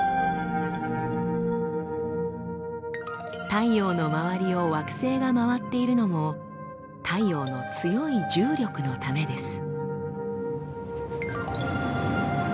太陽の周りを惑星が回っているのも太陽の強い重力のためです。